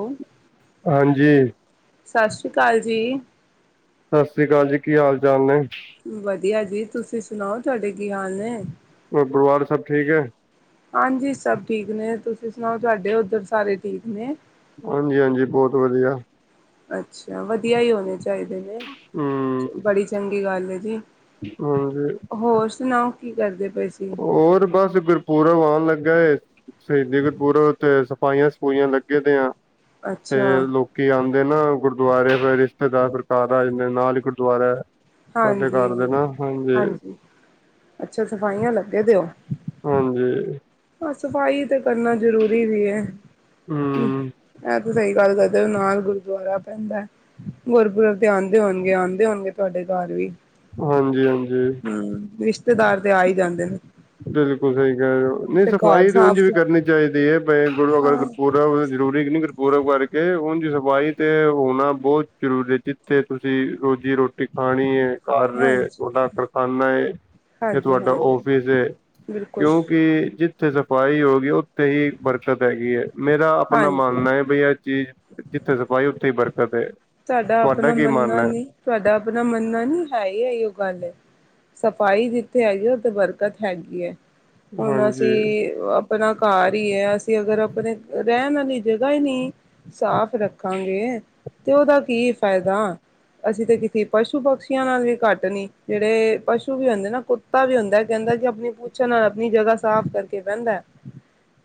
ਓ ਹਾਂਜੀ। ਸਾਸਰੀ ਕਾਲ ਜੀ। ਸਸਰੀ ਕਾਲ ਜੀ ਕੀ ਹਾਲ ਚਾਲ ਨੇ? ਵਧੀਆ ਜੀ ਤੁਸੀਂ ਸੁਣਾਓ ਤਾਡੇ ਕੀ ਹਾਲ ਨੇ? ਹੋਰ ਪਰਵਾਰ ਸਭ ਠੀਕ ਐ? ਹਾਂਜੀ ਸਭ ਠੀਕ ਨੇ ਤੁਸੀਂ ਸੁਣਾਓ ਤੁਹਾਡੇ ਓਦਰ ਸਾਰੇ ਠੀਕ ਨੇ? ਹਾਂਜ-ਹਾਂਜੀ ਬੋਤ ਵਧੀਆ। ਅੱਛਾ ਵਧੀਆ ਈ ਹੋਣੇ ਚਾ ਈਦੇ ਨੇ, ਹਮ ਬੜੀ ਚੰਗੀ ਗੱਲ ਹੈ ਜੀ, ਹਾਂਜੀ ਹੋਰ ਸੁਣਾਓ? ਕੀ ਕਰਦੇ ਪਏ ਸੀ? ਹੋਰ ਬਸ, ਗੁਰਪੂਰਬ ਆਣ ਲੱਗਾ ਏ ਸ਼ਹੀਦੀਗਰਪੁਰਬ ਤੇ, ਸਪਾਈਆਂ-ਸਪੂਈਆਂ ਲੱਗੇ ਤੇ ਆ, ਤੇ ਅੱਛਾ ਲੋ ਕੀ ਆਦੇ ਨਾ ਗੁਰਦੁਆਰੇ ਫਿਰ ਰਿਸ਼ਤੇਦਾਰ ਘਰ ਆ ਜਾਂਦੇ ਨਾਲ ਈ ਗੁਰਦੁਆਰਾ ਐ। ਸਾਡੇ ਘਰ ਦੇ ਨਾ, ਹਾਂਜੀ ਅੱਛਾ ਸਫਾਈਆਂ ਲੱਗੇ ਦੇਓ। ਹਾਂਜੀ। ਆਂ ਸਫ਼ਾਈ ਤੇ ਕਰਨਾ ਜ਼ਰੂਰੀ ਵੀ ਏ। ਹੂੰ ਐ ਤੇ ਸਈ ਗੱਲ ਕਰਦੇ ਓ ਨਾਲ ਗੁਰਦੁਆਰਾ ਪੈਂਦਾ ਐ। ਗੁਰਪੁਰਬ ਤੇ ਆਦੇ ਹੋਣਗੇ- ਆਦੇ ਹੋਣਗੇ ਤੁਆਡੇ ਘਰ ਵੀ। ਹਾਂਜੀ-ਹਾਂਜੀ। ਹੂੰ ਰੀਸ਼ਤੇਦਾਰ ਤੇ ਆ ਈ ਜਾਂਦੇ ਨੇ। ਬਿਲਕੁਲ ਸਈ ਕੈ ਰਏ ਓ ਨਈ ਘਰ ਸਫ਼ਾਈ ਤੇ ਉਂਝ ਸਾਫ਼ ਵੀ ਸੁ ਕਰਨੀ ਚਾਈਦੀ ਏ, ਬ ਗੁਰੂ ਅਗਰ ਹਾਂ ਗੁਰਪੁਰਬ ਜ਼ਰੂਰੀ ਕੇ ਨਈ ਗੁਰਪੂਰਬ ਕਰਕੇ ਉਂਜ ਸਫਾਈ ਤੇ ਹੋਣਾ ਬਹੁਤ ਜ਼ਰੂਰੀ ਜੇ ਜੀਥੇ ਤੁਸੀਂ ਰੋਜ਼ੀ-ਰੋਟੀ ਖਾਣੀ ਐ। ਘਰ ਏ, ਹਾਂਜੀ ਤੁਹਾਡਾ ਪਖਾਨਾ ਏ, ਤੇ ਹਾਂਜੀ ਤੁਆਡਾ ਹਾਂਜੀ ਔਫਿਸ ਏ, ਬਿਲਕੁਲ ਕਿਉਂ ਕੀ ਜੀਥੇ ਸਫ਼ਾਈ ਹੋ ਗਈ ਓਥੇ ਈ ਬਰਕਤ ਹੈਗੀ ਐ। ਮੇਰਾ ਆਪਣਾ ਹਾਂਜੀ ਮੰਨ ਐ ਬਈ ਏ ਚੀਜ਼ ਜੀਥੇ ਸਫਾਈ ਓਥੇ ਈ ਬਰਕਤ ਐ। ਤੁਆਡਾ ਅਪਣਾ ਮੰਨਣਾ ਨੀ, ਤੁਆਡਾ ਅਪਣਾ ਮੰਨਣਾ ਨੀ ਹੈ ਈ ਆਈ ਓ ਗੱਲ ਏ। ਸਫ਼ਾਈ ਜੀਥੇ ਹੈਗੀ ਆ ਓਥੇ ਬਰਕਤ ਹੈਗੀ ਐ, ਹੁਣ ਹਾਂਜੀ ਅਸੀਂ ਆਪਣਾ ਘਰ ਈ ਐ ਅਸੀਂ ਅਗਰ ਆਪਣੇ ਰਹਿਣ ਵਾਲੀ ਜਗ੍ਹਾ ਈ ਨੀ ਸਾਫ਼ ਰੱਖਾਂਗੇ, ਤੇ ਓਦਾ ਕੀ ਫਾਈਦਾ। ਅਸੀਂ ਤੇ ਕੀਤੇ ਪਸੂ ਪਕਸ਼ੀਆਂ ਨਾਲ ਵੀ ਘੱਟ ਨੀ, ਜੇੜੇ ਪਸ਼ੂ ਵੀ ਹੁੰਦੇ ਨਾ ਕੁ ਕੁੱਤਾ ਵੀ ਹੁੰਦਾ ਕੈਂਦਾ ਕੀ ਅਪਣੀ ਪੁੂਛਾ ਨਾਲ ਆਪਣੀ ਜਗਾ ਸਾਫ਼ ਕਰਕੇ ਬੈਂਦਾ।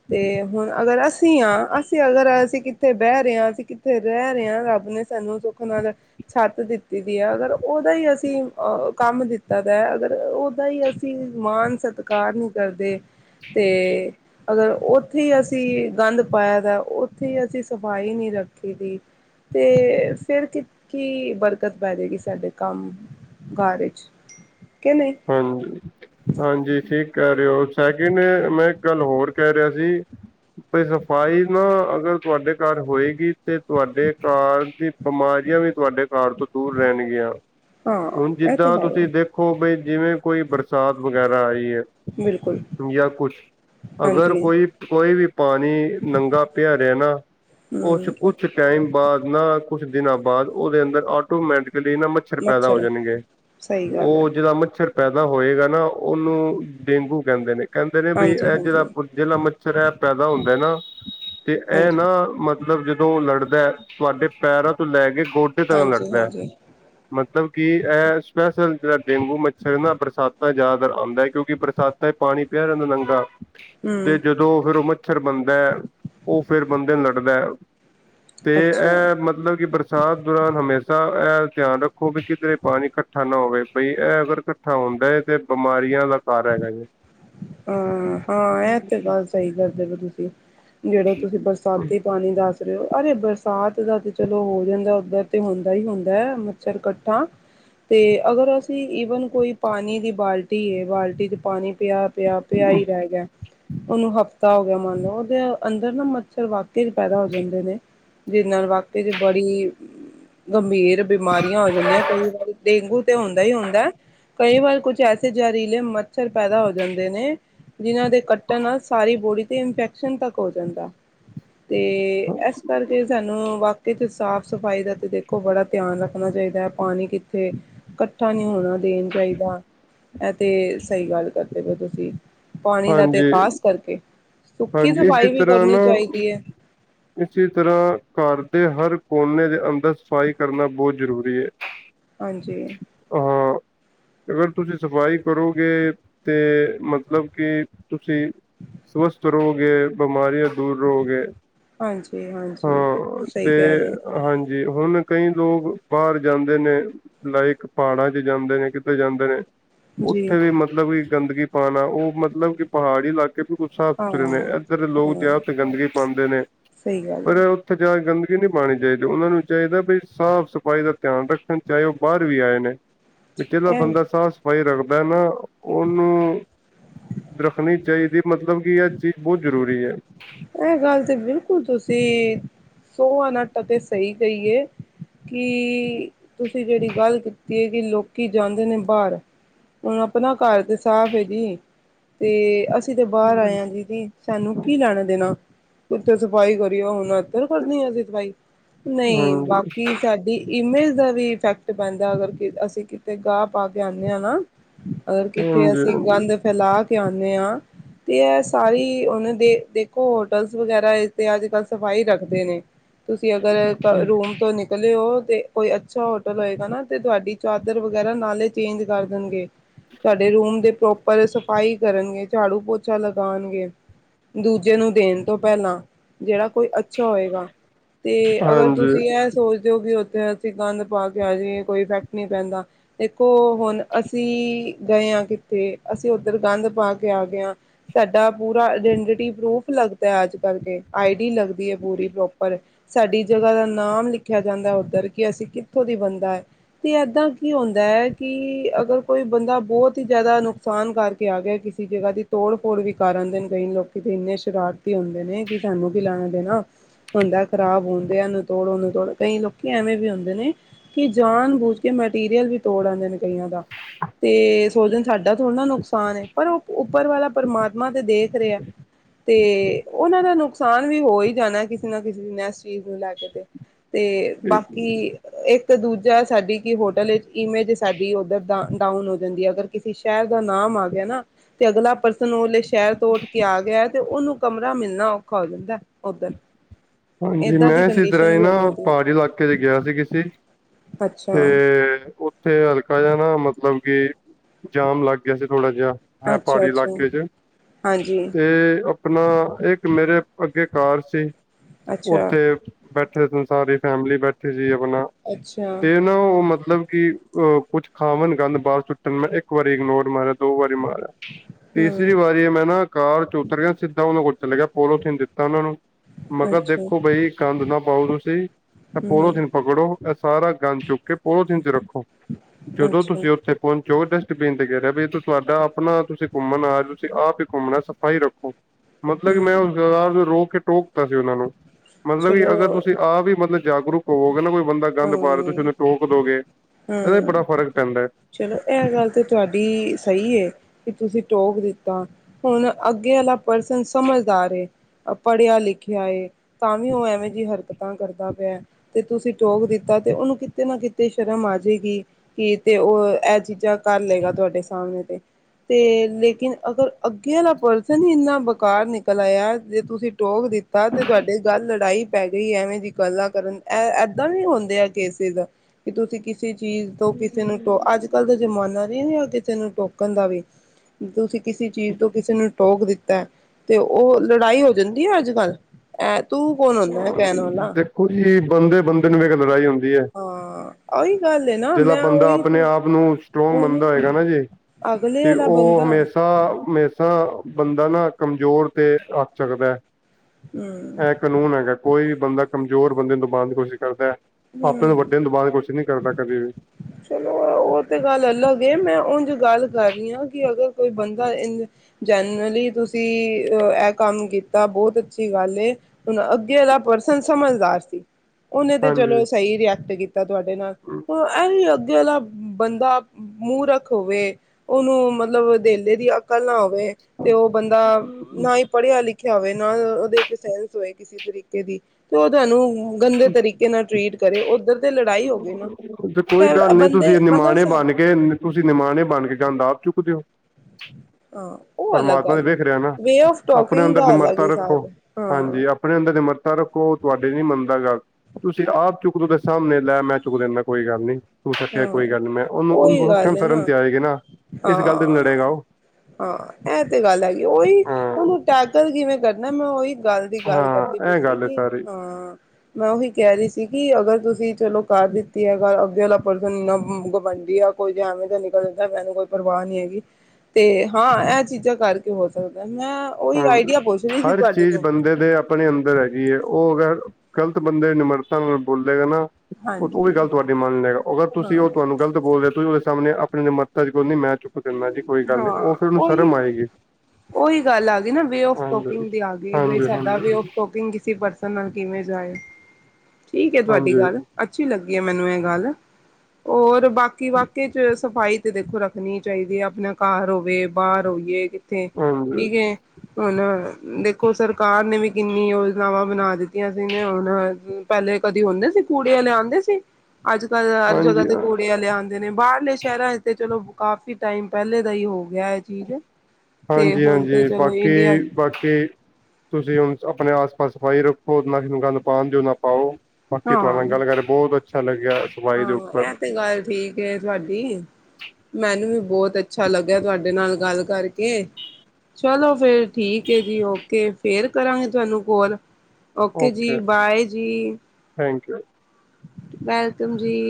ਤੇ, ਹੁਣ ਅਗਰ ਅਸ ਅਸੀਂ ਆ, ਅਸੀਂ ਅਗਰ ਅਸੀਂ ਕਿੱਥੇ ਬਹਿ ਰਹੇ ਹਾਂ, ਅਸੀਂ ਕਿੱਥੇ ਰਹਿ ਰਹੇ ਹਾਂ, ਰੱਬ ਜਿਨੇ ਸਾਨੂੰ ਸੁੱਖ ਨਾਲ, ਛੱਤ ਦਿੱਤੀ ਦੀ ਪੀ ਐ ਅਗਰ ਉਹਦਾ ਹੀ ਅਸੀਂ, ਅਹ ਕੰਮ ਦਿੱਤ ਤਾ ਦਾ, ਅਗਰ ਓਦਦਾ ਈ ਅਸੀਂ ਮਾਣ ਸਤਿਕਾਰ ਨਹੀਂ ਕਰਦੇ, ਤੇ ਅਗਰ ਉੱਥੇ ਹੀ ਅਸੀਂ ਗੰਦ ਪਾਇਆ ਪਿਆ, ਉੱਥੇ ਹੀ ਅਸੀਂ ਸਫਾਈ ਨੀ ਰੱਖੀ ਪੀ ਤੇ, ਫਿਰ ਕੀ-ਕੀ ਬਰਕਤ ਪੈਣੀ ਸਾਡੇ ਕੰਮ ਕਾਰ ਚ। ਕੇ ਨਈ। ਹਾਂਜੀ ਹਾਂਜੀ, ਠੀਕ ਕਹਿ ਰਹੇ ਓ, ਸੈਕਿੰਡ ਮੈਂ- ਮੈ ਇੱਕ ਗੱਲ ਹੋਰ ਕਹਿ ਰਿਹਾ ਸੀ। ਤੇ ਸਫ਼ਾਈ ਨਾ ਅਗਰ ਤੁਹਾਡੇ ਘਰ ਹੋਏਗੀ, ਤੇ ਤੁਹਾਡੇ ਘਰ ਦੀ ਬਿਮਾਰੀਆਂ ਵੀ ਤੁਹਾਡੇ ਘਰ ਤੋਂ ਦੂਰ ਰਹਿਣਗੀਆਂ, ਹਾਂ ਹੁਣ ਇਹ ਤੇ ਜਿੱਦਾਂ ਹੈ ਤੁਸੀਂ ਦੇਖ ਦੇਖੋ ਬਈ ਜਿਵੇਂ ਕੋਈ ਬਰਸਾਤ ਵਗੈਰਾ ਆਈ ਐ, ਬਿਲਕੁਲ ਯਾ ਕੁਛ- ਅਗਰ ਹਾਂਜੀ ਕੋਈ-ਕੋਈ ਵੀ ਪਾਨੀ ਨੰਗਾ ਪਿਆ ਰਿਹਾ ਨਾ, ਉਸ ਹਮ ਕੁਛ ਟਾਈਮ ਬਾਅਦ ਨਾ, ਕੁਛ ਦਿਨਾਂ ਬਾਅਦ ਉਹਦੇ ਅੰਦਰ ਆਟੋਮੈਟਿਕਲੀ ਨਾ ਮੱਛਰ ਪੈਦਾ ਹੋ ਜਾਣਗੇ, ਸਹੀ ਗੱਲ ਹੈ ਉਹ ਜੇੜਾ ਮੱਛ ਮੱਛਰ ਪੈਦਾ ਹੋਏਗਾ ਨਾ, ਉਹਨੂੰ ਡੇਂਗੂ ਕਹਿੰਦੇ ਨੇ। ਕਹਿ-ਕਹਿੰਦੇ ਬੀ ਹਾਂਜੀ ਐ, ਹਾਂਜੀ ਜਿਹੜਾ-ਜੇਲਾ ਮੱਛਰ ਐ ਪੈਦਾ ਹੁੰਦਾ ਨਾ, ਤੇ ਇਹ ਨਾ ਹਾਂਜੀ ਮ ਮਤਲਬ ਜਦੋਂ ਉਹ ਲੜਦਾ, ਤੁਹਾਡੇ ਪੈਰਾਂ ਤੋਂ ਲੈਕੇ ਗੋਡੇ ਤਕ ਹਾਂਜੀ ਲੜਦਾ ਐ। ਹਾਂਜੀ ਮਤਲਬ ਕੀ ਐ ਸਪੈਸ਼ਲ ਜਿਹੜਾ ਡੇਂਗੂ ਮੱ ਮੱਛਰ ਨਾ ਬਰਸਾਤਾਂ'ਚ ਜ਼ਿਆਦਾਤਰ ਆਂਦਾ ਇਕ, ਕਿਉਂ ਬਰਸਾਤਾਂ'ਚ ਪਾਣੀ ਪਿਆ ਰਿਹਾ ਨੰਗਾ, ਹਮ ਤੇ ਜ ਜਦੋਂ ਫਿਰ ਉਹ ਮੱਛਰ ਬਣਦੈ, ਉਹ ਫਿਰ ਬੰਦੇ ਨ ਲੜਦੈ ਤੇ, ਅੱਛਾ ਐ ਮਤਲਬ ਕਿ ਬਰ ਚਾਰ ਦੌਰਾਨ ਹਮੇਸ਼ਾ ਐ ਧਿਆਨ ਰੱਖੋ ਵੀ, ਕਿਧਰੇ ਪਾਣੀ ਇਕੱਠਾ ਨਾ ਹੋਵੇ, ਬਈ ਐ ਅਗਰ ਇਕੱਠਾ ਹੁੰਦਾ ਐ, ਤੇ ਬਿਮਾਰੀਆਂ ਲੱਗ ਅਂ, ਹਾਂ, ਐ ਤੇ ਗੱਲ ਸਹੀ ਕਰਦੇ ਪਏ ਤੁਸੀਂ, ਜਿਹੜਾ ਤੁਸੀਂ ਬਰਸਾਤ ਤੇ ਪਾਣੀ ਦੱਸ ਰਹੇ ਹੋ, ਅਰੇ ਬਰਸਾਤ ਦਾ ਤੇ ਚਲੋ ਹੋ ਜਾਂਦਾ, ਉੱਧਰ ਤੇ ਹੁੰਦਾ ਹੀ, ਹੁੰਦੈ ਛਰ ਇਕੱਠਾ, ਤੇ ਅਗਰ ਅਸ ਈਵਨ ਕੋਈ ਪਾਣੀ ਦੀ ਬਾਲਟੀ ਏ, ਬਾਲਟੀ'ਚ ਪਾਣੀ ਪਿਆ- ਪਿਆ -ਪਿਆ ਹੀ ਰਹਿ ਗਿਆ। ਉਹਨੂੰ ਹਫ਼ਤਾ ਹੋਗਿਆ ਮੰਨਲੋ, ਉਹਦੇ ਅੰਦਰ ਨਾ ਮੱਛਰ ਵਾਕਈ ਪੈਦਾ ਹੋ ਜਾਂਦੇ ਨੇ। ਜਿਦ ਨਾਲ ਵਾਕਈ ਬੜੀ, ਗੰਭੀਰ ਬਿਮਾਰੀਆਂ ਹੋ ਜਾਂਦੀਆਂ ਕਈ ਵਾਰੀ, ਡੇਂਗੂ ਤੇ ਹੁੰਦਾ ਹੀ ਹੁੰਦੈ। ਕਈ ਵਾਰ ਕੁਛ ਐਸੇ ਜ਼ਹਿਰੀਲੇ ਮੱਛਰ ਪੈਦਾ ਹੋ ਜਾਂਦੇ ਨੇ ਜਿਨ੍ਹਾਂ ਦੇ ਕੱਟਣ ਨਾਲ ਸਾਰੀ ਬੋਡੀ ਤੇ ਇਨਫੈਕਸ਼ਨ ਤੱਕ ਹੋ ਜਾਂਦਾ। ਤੇ, ਇਸ ਕਰਕੇ ਸਾਨੂੰ ਵਾਕਈ'ਚ ਸਾਫ਼-ਸਫਾਈ ਦਾ ਤਾ ਦੇਖੋ ਬੜਾ ਧਿਆਨ ਰੱਖ ਹੋਣਾ ਚਾਹੀਦਾ, ਪਾਣੀ ਕਿੱਥੇ ਇਕੱਠਾ ਨੀ ਹੋਣਾ ਦੇਣ ਚਾਹੀਦਾ, ਐ ਤੇ ਸਹੀ ਗੱਲ ਕਰਦੇ ਪਿਓ ਤੁਸੀਂ। ਪਾਣੀ ਦਾ ਤੇ ਹਾਂਜੀ ਖ਼ਾਸ ਕਰਕੇ, ਹਾਂਜੀ ਸੁੱਕੀ-ਸਫ਼ਾਈ ਵੀ ਤਰ੍ਹਾਂ ਕਰਨੀ ਨਾ ਚਾਹੀਦੀ ਐ? ਇਸੇ ਤਰ੍ਹਾਂ, ਘਰ ਦੇ ਹਰ ਕੋਨੇ ਦੇ ਅੰਦਰ ਸਫ਼ਾਈ ਕਰਨਾ ਬੋਤ ਜ਼ਰੂਰੀ ਏ। ਹਾਂਜੀ। ਹਾਂ, ਅਗਰ ਤੁਸੀਂ ਸਫਾਈ ਕਰੋਗੇ, ਤੇ ਮਤਲਬ ਕਿ ਤੁਸੀਂ ਸਵਸਥ ਰਹੋਗੇ, ਬਿਮਾਰੀਆਂ ਦੂਰ ਰੋ ਗੇ, ਹਾਂਜੀ-ਹਾਂਜੀ ਬਿਲਕੁਲ ਹਾਂ ਸਹੀ ਤੇ ਕਹਿ ਰਹੇ ਹੋ। ਹਾਂਜੀ। ਜੀ, ਹੁਣ ਕਈ ਲੋਕ ਬਾਹਰ ਜਾਂਦੇ ਨੇ- ਲਾਇਕ ਪਹਾੜਾਂ ਚ ਜਾਂਦੇ ਨੇ ਕਿਤੇ ਜਾਂਦੇ ਨੇ ਜੀ ਉੱਥੇ ਵੀ ਮਤਲਬ ਕਿ ਗੰਦਗੀ ਪਾਉਣਾ ਉਹ ਮਤਲਬ ਕਿ ਪਹਾੜੀ ਇਲਾਕੇ ਵੀ ਸਾਫ਼ ਹਾਂ ਸੁਥਰੇ ਨੇ ਇੱਧਰ ਲੋਕ ਜ ਹਾਂ ਉੱਥੇ ਗੰਦਗੀ ਪਾਉਂਦੇ ਨੇ, ਸਹੀ ਗੱਲ ਹੈ ਪਰ ਉੱਥੇ ਜਾ ਕੇ ਗੰਦਗੀ ਨਹੀਂ ਪਾਣੀ ਚਾਈਦੀ ਉਹਨਾਂ ਨੂੰ ਚਾਈਦਾ ਵੀ ਸਾਫ਼ ਸਫਾਈ ਦਾ ਧਿਆਨ ਰੱਖਣ ਚਾਹੇ ਉਹ ਬਾਰ ਵੀ ਆਏ ਨੇ ਹ ਜੇੜਾ ਬੰਦਾ ਸਾਫ਼ ਸਫ਼ਾਈ ਰੱਖਦਾ ਹੈ ਨਾ ਉਹਨੂੰ ਰੱਖਣੀ ਚਾਈਦੀ ਮਤਲਬ ਕਿ ਇਹ ਚੀਜ਼ ਬੋਤ ਜ਼ਰੂਰੀ ਹੈ ਐਹ ਗੱਲ ਤੇ ਬਿਲਕੁਲ ਤੁਸੀਂ ਸੋਆ ਨਾਟਾ ਤੇ ਸਹੀ ਕਹੀ ਏ ਕੀ ਤੁਸੀਂ ਜੇੜੀ ਗੱਲ ਕੀਤੀ ਹੈ ਕਿ ਲੋਕੀ ਜਾਂਦੇ ਨੇ ਬਾਰ ਹੁਣ ਆਪਣਾ ਘਰ ਤੇ ਸਾਫ਼ ਹੈ ਜੀ ਤੇ ਅ ਤੇ ਬਾਰ ਆਇਆ ਦੀ ਦੀ ਸਾਨੂੰ ਕੀ ਲੈਣਾ ਨਾ ਕਿਥੇ ਸਫ਼ਾਈ ਕਰੀਓ ਹੁਣ ਇੱਧਰ ਕਰਨੀ ਅਸੀਂ ਸਫ਼ਾਈ ਨਹੀਂ ਹਾਂਜੀ ਬਾਕੀ ਸਾਡੀ ਇਮੇਜ ਦਾ ਵੀ ਇਫੈਕਟ ਪੈਂਦਾ ਅਗਰ ਅਸੀਂ ਤੇ ਗਾਹ ਪਾ ਕੇ ਆਂਦੇ ਹਾਂ ਨਾ ਅਗਰ ਕਿੱਥੇ ਹਾਂਜੀ ਅਸੀਂ ਹਾਂਜੀ ਗੰਦ ਫੈਲਾ ਕੇ ਆਂਦੇ ਹਾਂ ਤੇ ਇਹ ਸਾਰੀ ਉਹਨਾਂ ਦੇ ਦੇ ਹੋਟਲ ਵਗੈਰਾ ਇਸ ਤੇ ਅੱਜ ਕੱਲ ਸਫ਼ਾਈ ਰੱਖਦੇ ਨੇ ਤੁਸੀਂ ਅਗਰ ਰੂਮ ਤੋਂ ਨਿਕਲੇ ਉਹ ਤੇ ਕੋਈ ਅੱਛਾ ਹੋਟਲ ਹੋਏਗਾ ਨਾ ਤੇ ਤੁਹਾਡੀ ਚਾਦਰ ਵਗੈਰਾ ਨਾਲੇ ਚੇਂਜ ਕਰ ਦੇਣਗੇ ਤਾਡੇ ਰੂਮ ਦੇ ਪ੍ਰੋਪਰ ਸਫ਼ਾਈ ਕਰਨਗੇ ਝਾੜੂ ਪੋਚਾ ਲਗਾਣਗੇ ਦੂਜੇ ਨੂੰ ਦੇਣ ਤੋਂ ਪੈਲਾਂ ਜੇੜਾ ਕੋਈ ਅੱਛਾ ਹੋਏਗਾ ਤੇ ਅਗਰ ਹਾਂਜੀ ਤੁਸੀਂ ਇਹ ਸੋਚਦੇ ਹੋ ਕਿ ਉੱਥੇ ਅਸੀਂ ਗੰਦ ਪਾ ਕੇ ਆ ਜਾਈਏ ਕੋਈ ਇਫੈਕਟ ਨਹੀਂ ਪੈਂਦਾ ਦੇਖੋ ਹੁਣ ਅਸੀਂ ਗਏ ਹਾਂ ਕਿੱਥੇ ਅਸੀਂ ਉੱਧਰ ਗੰਦ ਪਾ ਕੇ ਆ ਗਏ ਹ ਸਾਡਾ ਪੂਰਾ ਆਈਡੈਂਟਿਟੀ ਪ੍ਰੂਫ ਲੱਗਦਾ ਅੱਜ ਕੱਲ ਕੇ ਆਈ ਡੀ ਲੱਗਦੀ ਹੈ ਪੂਰੀ ਪ੍ਰੋਪਰ ਸਾਡੀ ਜਗ੍ਹਾ ਦਾ ਨਾਮ ਲਿਖਿਆ ਜਾਂਦਾ ਓਧਰ ਕਿ ਅਸੀਂ ਕਿੱਥੋਂ ਦੀ ਬੰਦਾ ਹੈ ਤੇ ਏਦਾਂ ਕੀ ਹੁੰਦਾ ਹੈ ਕਿ ਅਗਰ ਕੋਈ ਬੰਦਾ ਬਹੁਤ ਹੀ ਜ਼ਿਆਦਾ ਨੁਕਸਾਨ ਕਰਕੇ ਆ ਗਿਆ ਕਿਸੇ ਜਗ੍ਹਾ ਦੀ ਤੋੜ ਫੋੜ ਵੀ ਕਰ ਆਂਦੇ ਨੇ ਕਈ ਲੋਕ ਕਿਤੇ ਇੰਨੇ ਸ਼ਰਾਰਤੀ ਹੁੰਦੇ ਨੇ ਕਿ ਸਾਨੂੰ ਕੀਲੈਣਾ ਦੇਣਾ ਹੁੰਦਾ ਖ਼ਰਾਬ ਹੁੰਦੇ ਆ ਨੂੰ ਤੋੜੋ ਨੂੰ ਤੋੜੋ ਕਈ ਲੋਕੀ ਐਵੇਂ ਵੀ ਹੁੰਦੇ ਨੇ ਕਿ ਜਾਣ ਬੂਝ ਕੇ ਮੈਟੀਰੀਅਲ ਵੀ ਤੋੜ ਆਂਦੇ ਨੇ ਕਈਆਂ ਦਾ ਤੇ ਸੋਜਨ ਸਾਡਾ ਥੋੜ੍ਹਾ ਨਾ ਨੁਕਸਾਨ ਹੈ ਪਰ ਉਹ ਉੱਪਰ ਵਾਲਾ ਪ੍ਰਮਾਤਮਾ ਤੇ ਦੇਖ ਰਿਹਾ ਤੇ ਉਹਨਾਂ ਦਾ ਨੁਕਸਾਨ ਵੀ ਹੋ ਹੀ ਜਾਣਾ ਕਿਸੇ ਨਾ ਕਿਸੇ ਦਿਨ ਐਸ ਚੀਜ਼ ਨੂੰ ਲੈ ਕੇ ਤੇ ਬਾਕੀ ਇੱਕ ਦੂਜਾ ਸਾਡੀ ਕਿ ਹੋਟਲ ਇਮੇਜ ਸਾਡੀ ਉਧਰ ਡਾਊਨ ਹੋ ਜਾਂਦੀ ਹੈ ਅਗਰ ਕਿਸੇ ਸ਼ਹਿਰ ਦਾ ਨਾਮ ਆ ਗਿਆ ਨਾ ਤੇ ਅਗਲਾ ਪਰਸਨ ਓਲੇ ਸ਼ਹਿਰ ਤੋਂ ਉੱਠ ਕੇ ਆ ਗਿਆ ਤੇ ਉਹਨੂੰ ਕਮਰਾ ਮਿਲਣਾ ਔਖਾ ਹੋ ਜਾਂਦਾ ਉੱਧਰ ਹਾਂਜੀ ਏਦਾਂ ਦੀ ਮੈਂ ਇਸ ਤਰ੍ਹਾਂ ਕੰਡੀਸ਼ਨ ਹੀ ਵੀ ਨਾ ਹੋ ਜਾਂਦੀ ਪਹਾੜੀ ਹੈ ਇਲਾਕੇ ਚ ਗਿਆ ਸੀਗਾ ਸੀ ਕਿਸੀ ਅੱਛਾ ਤੇ ਉੱਥੇ ਹਲਕਾ ਜਿਹਾ ਨਾ ਮਤਲਬ ਕਿ ਜਾਮ ਲੱਗ ਗਿਆ ਸੀ ਥੋੜ੍ਹਾ ਜਿਹਾ ਹੈ ਅੱਛਾ ਪਹਾੜੀ ਅੱਛਾ ਇਲਾਕੇ ਚ ਹਾਂਜੀ ਤੇ ਆਪਣਾ ਇੱਕ ਮੇਰੇ ਅੱਗੇ ਕਾਰ ਸੀ ਅੱਛਾ ਉੱਥੇ ਬੈਠੇ ਸਨ ਸਾਰੀ ਫੈਮਲੀ ਬੈਠੇ ਸੀ ਆਪਣਾ ਅੱਛਾ ਤੇ ਨਾ ਉਹ ਮਤਲਬ ਕਿ ਕੁੱਛ ਖਾਵਣ ਗੰਧ ਬਾਰ ਸੁੱਟਣ ਮੈਂ ਇੱਕ ਵਾਰੀ ਇਗਨੋਰ ਮਾਰਿਆ ਦੋ ਵਾਰੀ ਮਾਰਿਆ ਤੀਸਰੀ ਹਮ ਵਾਰੀ ਮੈਂ ਨਾ ਕਾਰ ਚ ਉਤਰੇਆ ਸਿੱਧਾ ਉਹਨਾ ਕੋਲ ਚਲੇ ਗਿਆ ਪੋਲੋਥੀਨ ਦਿੱਤਾ ਉਹਨਾਂ ਨੂੰ ਮਗਰ ਅੱਛਾ ਦੇਖੋ ਬਈ ਗੰਦ ਨਾ ਪਾਓ ਤੁਸੀਂਐ ਹਮ ਹਮ ਪੋਲੋਥੀਨ ਪਕੜੋ ਇਹ ਸਾਰਾ ਗੰਦ ਚੁੱਕ ਕੇ ਪੋਲੋਥੀਨ ਚ ਰੱਖੋ ਜਦੋਂ ਅੱਛਾ ਤੁਸੀਂ ਉੱਥੇ ਪਹੁੰਚੋ ਡਸਟਬਿਨ 'ਤੇ ਗੇਰ ਰਿਹਾ ਵੀ ਤੁਹਾਡਾ ਆਪਣਾ ਤੁਸੀਂ ਘੁੰਮਣ ਆ ਤੁਸੀਂ ਆਪ ਹੀ ਘੁੰਮਣਾ ਸਫ਼ਾਈ ਰੱਖੋ ਮਤਲਬ ਕਿ ਮੈਂ ਹਮ ਉਸ ਗਾਰ ਨੂੰ ਰੋਕ ਕੇ, ਟੋਕ ਤਾ ਸੀ ਉਹਨਾਂ ਨੂੰ ਮਤਲਬ ਕਿ ਅਗਰ ਚਲੋ ਤੁਸੀਂ ਆਪ ਹੀ ਮਤਲਬ ਜਾਗਰੂਕ- ਹੋਓਗੇ ਨਾ ਕੋਈ ਬੰਦਾ ਗੰਦ ਪਾ ਰਿਹਾ, ਤੁਸੀਂ ਹੂੰ ਉਹਨੂੰ ਟੋਕ ਦੋਗੇ ਇਹਦੇ 'ਚ ਬੜਾ ਹੂੰ ਫਰਕ ਪੈਂਦਾ ਚਲੋ ਇਹ ਗੱਲ ਤਾਂ ਤੁਹਾਡੀ ਸਹੀ ਏ, ਕਿ ਤੁਸੀਂ ਟੋਕ ਦਿੱਤਾ ਹੁਣ ਅੱਗੇ ਵਾਲਾ ਪਰਸਨ ਸਮਝਦਾਰ ਏ ਪੜ੍ਹਿਆ ਲਿਖਿਆ ਏ ਤਾਂ ਵੀ ਉਹ ਐਵੇਂ ਜਿਹੀ ਹਰਕਤਾਂ ਕਰਦਾ ਪਿਆ ਤੇ ਤੁਸੀਂ ਟੋਕ ਦਿੱਤਾ ਤੇ ਉਹਨੂੰ ਕਿਤੇ ਨਾ ਕਿਤੇ ਸ਼ਰਮ ਆ ਜਾਏਗੀ ਕੀ ਤੇ ਉਹ ਇਹ ਚੀਜ਼ਾਂ ਕਰ ਲੇਗਾ ਤੁਹਾਡੇ ਸਾਹਮਣੇ ਤੇ ਤੇ ਲੇਕਿਨ ਅਗਰ ਅੱਗੇ ਵਾਲਾ ਪਰਸਨ ਹੀ ਇੰਨਾ ਬੇਕਾਰ ਨਿਕਲ ਆਇਆ ਜੇ ਤੁਸੀਂ ਟੋਕ ਦਿੱਤੀ ਤ ਤੇ ਤੁਹਾਡੇ ਗੱਲ ਲੜਾਈ ਪੈ ਗਈ ਐਵੇਂ ਦੀ ਗੱਲਾਂ ਕਰਨ ਏਦਾਂ ਵੀ ਹੁੰਦੇ ਆ ਕੇਸਿਸ, ਕਿ ਤੁਸੀਂ ਕਿਸ ਕਿਸੀ ਚੀਜ਼ ਤੋਂ ਕਿਸੇ ਨੂੰ ਟੋਕ, ਅੱਜ ਕੱਲ ਦਾ ਜ਼ਮਾਨਾ ਨਹੀਂ ਕਿਸੇ ਨੂੰ ਟੋਕਣ ਦਾ ਵੀ, ਤੁਸੀਂ ਕਿਸੇ ਚੀਜ਼ ਤੋਂ ਕਿਸੇ ਨੂੰ ਟੋਕ ਦਿੱਤਾ, ਤੇ ਉਹ ਲੜਾਈ ਹੋ ਜਾਂਦੀ ਹੈ ਅੱਜ ਕੱਲ ਐ ਤੂੰ ਕੋਣ ਹੁੰਦਾ ਕਹਿਣ ਵਾਲਾ ਕੁਛ ਵੀ ਬੰਦੇ ਬੰਦੇ ਨੂੰ ਵੇਖ ਲੜਾਈ ਹੁੰਦੀ ਹੁੰਦੀ ਐ, ਹਾਂ ਉਹੀ ਗੱਲ ਹੈ ਨਾ ਜਿੜਾ ਮੈਂ ਬੰਦਾ ਉਹੀ ਆਪਣੇ ਚੀਜ਼ ਆਪ ਨੂੰ ਸਟਰੋਂਗ ਹੁਣ ਮੰਨਦਾ ਹੋਏਗਾ ਨਾ ਜੀ ਅਗਲੇ ਤੇ ਵਾਲਾ ਉਹ ਬੰਦਾ ਹਮੇਸ਼ਾ ਹੇਸ਼ ਤਾਂ ਬੰਦਾ ਨਾ ਕਮਜ਼ੋਰ 'ਤੇ ਹੱਥ ਚਕਦਾ ਐ ਹੂ ਇਹ ਕਾਨੂੰਨ ਹੈਗਾ, ਕੋਈ ਵੀ ਬੰਦਾ ਕਮਜ਼ੋਰ ਬੰਦੇ ਨੂੰ ਦਬਾਉਣ ਦੀ ਕੋਸ਼ਿਸ਼ ਕਰਦਾ ਹੈ ਆਪਨੇ ਤੋ ਹਮ ਵੱਡੇ ਨੂੰ ਦਬਾਕੇ ਕੁਛ ਨੀ ਕਰਦਾ ਕਦੇ ਵੀ ਚਲੋ ਉਹ ਤੇ ਗੱਲ ਅਲੱਗ ਏ, ਮੈਂ ਉਝ ਗੱਲ ਕਰ ਰਹੀ ਹਾਂ ਕਿ ਅਗਰ ਕੋਈ ਬੰਦਾ ਇਜ ਜਨਰਲੀ ਤੁਸੀਂ ਐ ਕੰਮ ਕੀਤਾ ਬਹੁਤ ਅੱਛੀ ਗੱਲ ਏ ਹੁਣ ਅੱਗੇ ਦਾ ਪਰਸਨ ਸਮਝਦਾਰ ਸੀ ਉਹਨੇ ਤੇ ਚਲੋ ਹਾਂਜੀ ਸਹੀ ਰਿਐਕਟ ਕੀਤਾ ਤੁਹਾਡੇ ਨਾਲ, ਔ ਐ ਹੀ ਅੱਗੇ ਵਾਲਾ ਬੰਦਾ ਮੂੰਰੱਖ ਹੋਵੇ, ਉਹਨੂੰ ਮਤਲਬ ਦੇਲੇ ਦੀ ਅਕਲ ਨਾ ਹੋਵੇ ਹੋਵੇ, ਤੇ ਉਹ ਬੰਦਾ ਨਾ ਹੀ ਪੜ੍ਹਿਆ ਲਿਖਿਆ ਹੋਵੇ ਨਾ ਉਹਦੇ ਚ ਸੈਂੰਸ ਹੋਏ ਕਿਸੇ ਤਰੀਕੇ ਦੀ, ਤੇ ਉਹ ਤੁਹਾਨੂੰ ਗੰਦੇ ਤਰੀਕੇ ਨਾਲ ਟਰੀਟ ਕਰੇ ਉੱਧਰ ਤੇ ਲੜਾਈ ਹੋ ਗਈ ਨਾ ਤੇ ਕੋਈ ਫਿਰ ਐ ਗੱਲ ਬੰਦਾ, ਨਹੀਂ ਬੰਦੇ ਤੁਸੀਂ ਮਤਲ ਨਿਮਾਣੇ ਬਣ ਕੇ ਤੁਸੀਂ ਨਿਮਾਣੇੇ ਬਣ ਕੇ ਗੰਦ ਆਪ ਚੁੱਕਦੇ ਹੋ ਹਾਂ ਉਹ ਅਲੱਗ ਪਰਮਾਤਮਾ ਗੱਲ ਤੇ ਐ, ਵੇਖ ਰਿਹਾ ਨਾ ਵੇ ਆਫ ਆਪਣੇ ਟੋਕਿੰਗ ਅੰਦਰ ਦਾ ਅਲੱਗ ਨਿਮਰਤਾ ਰੱਖੋ ਹਿਸਾਬ ਐ ਹਾਂ ਹਾਂਜੀ ਆਪਣੇ ਅੰਦਰ ਨਿਮਰਤਾ ਰੱਖੋ, ਉਹ ਤੁਹਾਡੇ ਨੀ ਮੰਨਦਾ ਗੱਲ ਤੁਸੀਂ ਆਪ ਚੁੱਕ ਦੋ ਔਦੇ ਸਾਹਮਣੇ, ਲੈ ਮੈਂ ਚੁੱਕ ਦੇਨਾ ਕੋਈ ਗੱਲ ਨੀ ਤੂੰ ਸੱਚਾ ਐ, ਹਾਂ। ਕੋਈ ਗੱਲ ਨੀ ਮੈਂ ਉਹਨੂੰ ਉਹੀ ਉਸ ਟਾਈਮ ਗੱਲ ਹੈ ਸ਼ਰਮ ਨਾ ਤੇ ਆਏਗੀ ਨਾ, ਇਸ ਗੱਲ ਤੇ ਲੜੇਗਾ ਹਾਂ। ਉਹ ਹਾਂ ਇਹ ਤੇ ਗੱਲ ਹੈਗੀ, ਉਹੀ ਹਾਂ ਉਹਨੂੰ ਟੈਕਲ ਕਿਵੇਂ ਕਰਨਾ ਮੈਂ ਉਹੀ ਗੱਲ ਦੀ ਗੱਲ ਕਰਦੀ ਪਈ ਹਾਂ ਇਹ ਸੀ, ਗੱਲ ਹੈ ਕੀ ਸਾਰੀ ਹਾਂ ਮੈਂ ਉਹੀ ਕਹਿ ਰਹੀ ਸੀ ਕਿ, ਅਗਰ ਤੁਸੀਂ ਚਲੋ ਕਰ ਦਿੱਤੀ ਹੈ ਗੱਲ ਅੱਗੇ ਵਾਲ [unintelligible] ਤੇ ਹਾਂ ਇਹ ਚੀਜ਼ਾਂ ਕਰਕੇ ਹੋ ਸਕਦਾ, ਮੈਂ ਉਹੀ ਹੂ, ਆਈਡੀਆ ਪੁੱਛ ਰਹੀ ਸੀ ਹਰ ਤੁਹਾਡੇ ਚੀਜ਼ ਤੋਂ ਬੰਦੇ ਦੇ ਆਪਣੇ ਅੰਦਰ ਹੈਗੀ ਹੈ, ਉਹ ਅਗਰ ਗਲਤ ਬੰਦੇ ਨਿਮਰਤਾ ਨਾਲ ਬੋਲੇਗਾ ਨਾ ਉਹ ਉਹ ਹਾਂਜੀ ਵੀ ਗਲ ਤੁਹਾਡੀ ਮੰਨ ਲੇਗਾ ਅਗਰ ਤੁਸੀਂ ਉਹ ਹਾਂ ਤੁਹਾਨੂੰ ਗਲਤ ਬੋਲਦੇ ਹੋ ਤੁਸੀਂ ਉਹਦੇ ਸਾਹਮਣੇ ਆਪਣੀ ਨ ਮਰਤਾ ਚ ਕੋ, ਨੀ ਮੈਂ ਚੁੱਕ ਦਿੰਦਾ ਜੀ ਕੋਈ ਗੱਲ ਨਹੀਂ, ਉਹ ਹਾਂ ਫਿਰ ਉਹਨੂੰ ਉਹੀ ਸ਼ਰਮ ਆਏਗੀ ਉਹੀ ਗੱਲ ਆ ਗਈ ਨਾ, ਵੇ ਆਫ ਹਾਂਜੀ ਟੋਕਿੰਗ ਦੇ ਆ ਗਏ ਬਈ ਹਾਂਜੀ ਸਾਡਾ ਹਾਂਜੀ ਵੇਫ ਟੋਕ ਕਿਵੇਂ ਕਿਸੀ ਪਰਸਨ ਨਾਲ ਕਿਵੇਂ ਜਾਏ, ਠੀਕ ਹੈ ਤੁਹਾਡੀ ਹਾਂਜੀ ਗੱਲ। ਅੱਛੀ ਲੱਗੀ ਹੈ ਮੈਨੂੰ ਇਹ ਗੱਲ, ਹੋਰ ਬਾਕੀ- ਵਾਕੀ ਤੇ ਸਫ਼ਾਈ ਤੇ ਦੇਖੋ ਰੱਖਣੀ ਚਾਹੀਦੀ ਹੈ ਆਪਣਾ ਘਰ ਹੋਵੇ, ਬਾਹਰ ਹੋ ਗਏ ਏ ਕਿੱਥੇ ਹਾਂਜੀ ਠੀਕ ਹੈ ਹੁਣ ਦੇਖੋ ਸਰਕਾਰ ਨੇ ਵੀ ਕਿੰਨੀ ਯੋਜਨਾਵਾਂ ਬਣਾ ਦਿੱਤੀਆਂ ਜਿਵੇ ਹੁਣ ਪਹਿਲੇ ਕਦੀ ਹੁੰਦੇ ਸੀ ਕੂੜੇ ਆਲੇ ਆਉਂਦੇ ਸੀ। ਅੱਜ ਕੱਲ ਹਰ ਜਗਾ ਹਾਂਜੀ ਤੇ ਕੂੜੇ ਆਲੇ ਆਂਦੇ ਨੇ, ਬਾਰਲੇ ਸ਼ਹਿਰਾਂ ਚ ਤੇ ਚਲੋ ਕਾਫ਼ੀ ਟਾਈਮ ਪਹਿਲੇ ਦਾ ਈ ਹੋ ਗਿਆ ਏ ਚੀਜ਼, ਤੇ ਹੁਣ ਤੇ ਚਲੋ ਇੰਡੀਆ ਬਾਖੀ ਤੁਸੀ ਹੁਣ ਅਪਣੇ ਆਸ- ਪਾਸ ਸਫ਼ਾਈ ਰੱਖੋ, ਨਾ ਕਿਸੇ ਨੂੰ ਗਂਦ ਪਾਉਣ ਦਿਓ, ਨਾ ਪਾਓ। ਬਾਕੀ ਤੁਹਾਡੇ ਹਾਂ ਨਾਲ ਗੱਲ ਕਰ ਬੋਤ ਅੱਛਾ ਲੱਗਿਆ ਸਫਾਈ ਦੇ ਉੱਪਰ। ਗਲ ਠੀ ਏ ਤੁਹਾਡੀ, ਮੈਨੂੰ ਵੀ ਬੋਤ ਅੱਛਾ ਲੱਗਿਆ ਤੁਹਾਡੇ ਨਾਲ ਗੱਲ ਕਰਕੇ। ਚਲੋ ਫੇਰ ਠੀਕ ਏ ਜੀ ਓਕੇ। ਫੇਰ ਕਰਾਂਗੇ ਤੁਹਾਨੂੰ ਕੋਲ। ਓਕੇ ਜੀ, ਬਾਏ ਜੀ, ਥੈਂਕ ਯੂ ਵੈਲਕਮ ਜੀ।